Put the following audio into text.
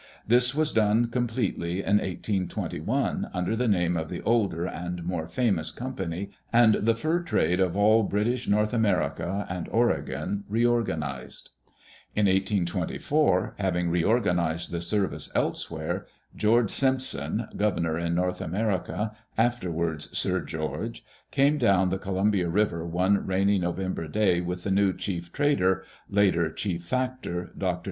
This was done completely in 1821, under the name of the older and more famous company, and the fur trade of all British North America and Oregon reorganized. In 1824, having reorganized the service elsewhere, George Simpson, Governor in North America, afterwards Sir George, came down the Columbia River one rainy November day with the new chief trader, later chief factor. Dr.